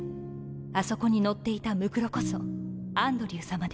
あそこに乗っていた骸こそアンドリューさまです。